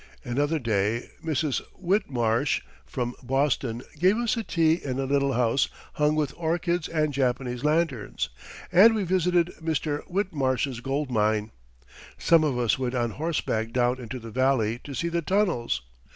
Another day, Mrs. Whitmarsh, from Boston, gave us a tea in a little house hung with orchids and Japanese lanterns, and we visited Mr. Whitmarsh's gold mine. Some of us went on horseback down into the valley to see the tunnels.